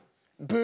ブ！